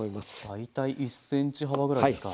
大体１ｃｍ幅ぐらいですか。